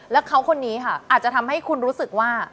แล้วเขาคนนี้ค่ะอาจจะทำให้คุณรู้สึกว่า